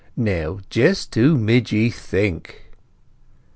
"Now, just who mid ye think?"